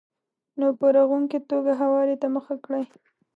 نو په رغونکې توګه هواري ته مخه کړئ.